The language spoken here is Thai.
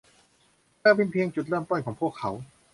เธอเป็นเพียงจุดเริ่มต้นของพวกเขา